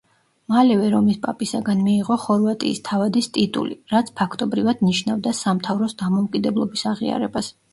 მალევე რომის პაპისაგან მიიღო ხორვატიის თავადის ტიტული, რაც, ფაქტობრივად, ნიშნავდა სამთავროს დამოუკიდებლობის აღიარებას.